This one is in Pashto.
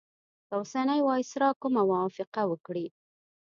که اوسنی وایسرا کومه موافقه وکړي.